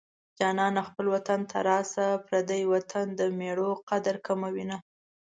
جانانه خپل وطن ته راشه پردی وطن د مېړو قدر کموينه